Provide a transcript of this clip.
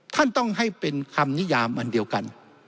ท่านต้องให้เป็นคำนิยามอันเดียวกัน